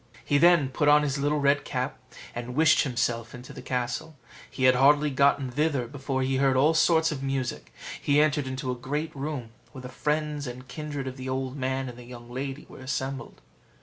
He then put on his little red cap, and wished himself in the castle. He had hardly got thither before he heard all sorts of music; he entered into a great room, where the friends and kindred of the old man and the young lady were assembled.